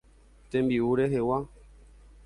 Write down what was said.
Tembi'u rehegua.